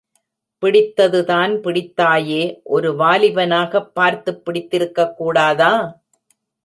பிடித்ததுதான் பிடித்தாயே, ஒரு வாலிபனாகப் பார்த்துப் பிடித்திருக்கக் கூடாதா?